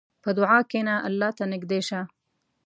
په دعا کښېنه، الله ته نږدې شه.